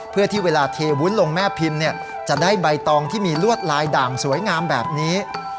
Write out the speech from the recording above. เพื่อที่เวลาเทวุ้นลงแม่พิมพ์จะได้ใบตองที่มีลวดลายด่างสวยงามแบบนี้